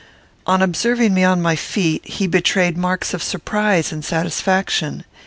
On observing me on my feet, he betrayed marks of surprise and satisfaction.